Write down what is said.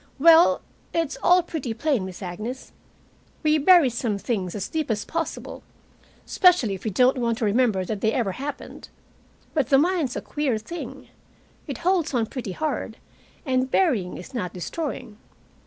Well, it's all pretty plain, Miss Agnes. We bury some things as deep as possible, especially if we don't want to remember that they ever happened. But the mind's a queer thing. It holds on pretty hard, and burying is not destroying.